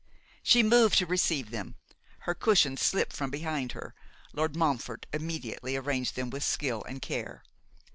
She moved to receive them. Her cushions slipped from behind her, Lord Montfort immediately arranged them with skill and care.